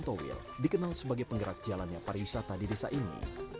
dan toil dikenal sebagai penggerak jalannya pariwisata di desa ini